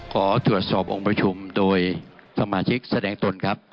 ขอตรวจสอบองค์ประชุมโดยสมาชิกแสดงตนครับ